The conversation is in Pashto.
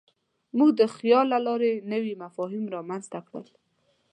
موږ د خیال له لارې نوي مفاهیم رامنځ ته کړل.